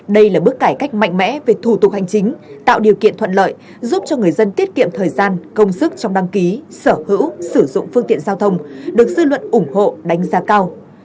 đây là bước cải cách mạnh mẽ về thủ tục hành chính tạo điều kiện thuận lợi giúp cho người dân tiết kiệm thời gian công sức trong đăng ký sở hữu sử dụng phương tiện giao thông được dư luận ủng hộ đánh giá cao